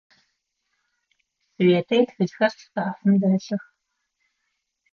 Светэ итхылъхэр шкафым дэлъых.